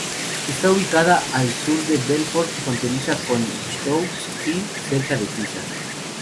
Está ubicada a al sur de Belfort, fronteriza con Doubs y cerca de Suiza.